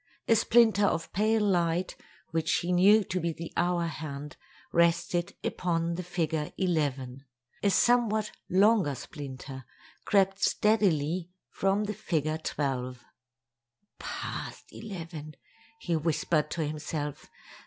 A splinter of pale light, which he knew to be the hour hand, rested upon the figure 11. A somewhat longer splinter crept steadily from the figure 12. "Past eleven," he whispered to himself.